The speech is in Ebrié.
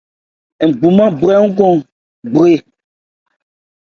Ngbumán bhra nkɔn gbre.